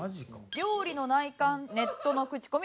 料理・内観ネットの口コミ